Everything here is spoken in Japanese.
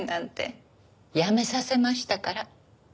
やめさせましたから。